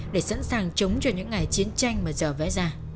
để sẵn sàng chống cho những ngày chiến tranh mà giờ vẽ ra